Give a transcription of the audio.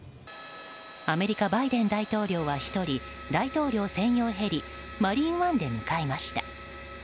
アメリカ、バイデン大統領は１人大統領専用ヘリ「マリーンワン」で向かいました。